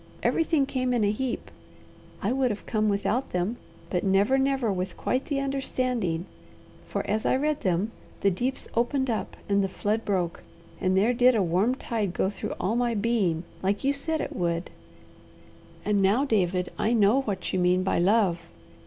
Everything came in a heap. I would have come without them, but never, never with quite the understanding, for as I read them the deeps opened up, and the flood broke, and there did a warm tide go through all my being, like you said it would; and now, David, I know what you mean by love.